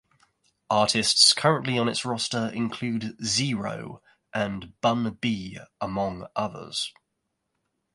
Artists currently on its roster include Z-Ro and Bun B among others.